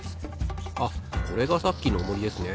あこれがさっきのオモリですね。